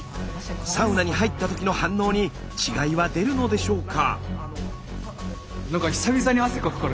サウナに入ったときの反応に違いは出るのでしょうか？